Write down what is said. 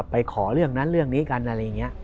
ขอเรื่องนั้นเรื่องนี้กันอะไรอย่างนี้